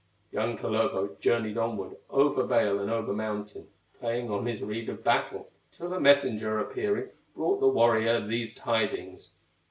Young Kullervo journeyed onward Over vale and over mountain, Playing on his reed of battle, Till a messenger appearing Brought the warrior these tidings: "Lo!